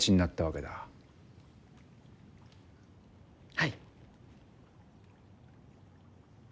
はい。